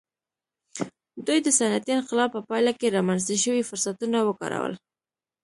دوی د صنعتي انقلاب په پایله کې رامنځته شوي فرصتونه وکارول.